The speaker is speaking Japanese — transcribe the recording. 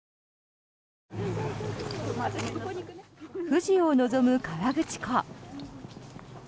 富士を望む河口湖。